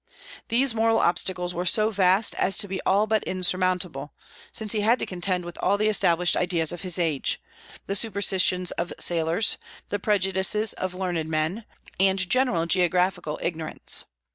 These moral obstacles were so vast as to be all but insurmountable, since he had to contend with all the established ideas of his age, the superstitions of sailors, the prejudices of learned men, and general geographical ignorance.